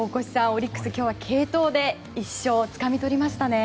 オリックス、今日は継投で１勝をつかみ取りましたね。